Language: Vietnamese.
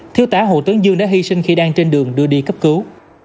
thứ tá hồ tấn dương đã hy sinh khi đang trên đường đưa đi cấp cứu